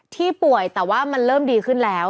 ที่ป่วยแต่ว่ามันเริ่มดีขึ้นแล้ว